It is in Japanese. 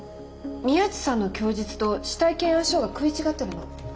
宮地さんの供述と死体検案書が食い違ってるの。